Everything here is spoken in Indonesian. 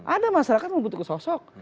ada masyarakat membutuhkan sosok